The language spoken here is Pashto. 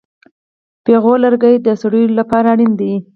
پېغور لرګی د سړو لپاره اړین دی.